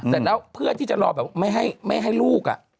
เสร็จแล้วเพื่อที่จะรอแบบไม่ให้ลูก